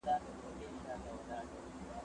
زه کولای سم لاس پرېولم،